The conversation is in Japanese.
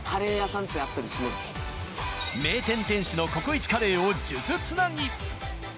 名店店主のここイチカレーを数珠つなぎ。